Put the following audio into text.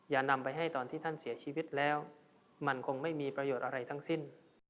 อย่านำไปให้ตอนที่ท่านเสียชีวิตแล้วมันคงไม่มีประโยชน์อะไรทั้งสิ้น